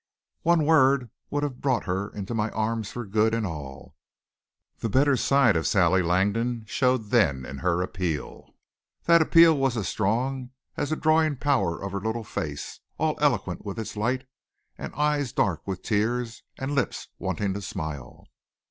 One word would have brought her into my arms for good and all. The better side of Sally Langdon showed then in her appeal. That appeal was as strong as the drawing power of her little face, all eloquent with its light, and eyes dark with tears, and lips wanting to smile.